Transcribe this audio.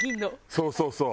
そうそうそう。